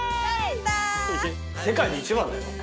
世界で一番だよ。